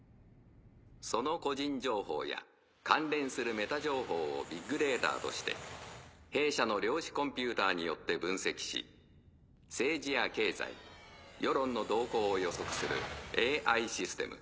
その個人情報や関連するメタ情報をビッグデータとして弊社の量子コンピュータによって分析し政治や経済世論の動向を予測するＡＩシステム。